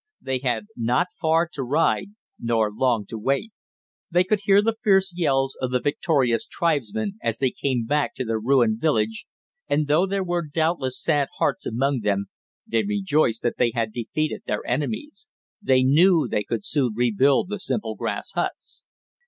They had not far to ride nor long to wait. They could hear the fierce yells of the victorious tribesmen as they came back to their ruined village, and though there were doubtless sad hearts among them, they rejoiced that they had defeated their enemies. They knew they could soon rebuild the simple grass huts.